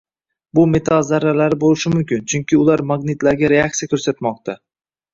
Bu metall zarralari bo‘lishi mumkin, chunki ular magnitlarga reaksiya ko‘rsatmoqda